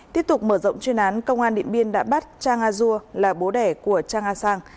tiếp tục mở rộng chuyên án công an điện biên đã bắt chang a dua là bố đẻ của chang a sang